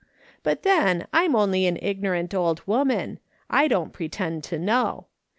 But then, Pm only an ignorant old woman ; I don't pretend to know.